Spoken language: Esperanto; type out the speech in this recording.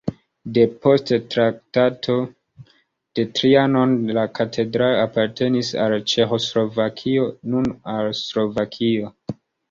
Depost Traktato de Trianon la katedralo apartenis al Ĉeĥoslovakio, nun al Slovakio.